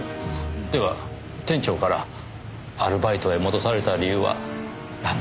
では店長からアルバイトへ戻された理由はなんでしょう？